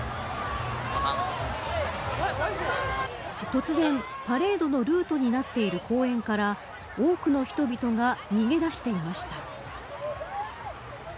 突然、パレードのルートになっている公園から多くの人々が逃げ出していました。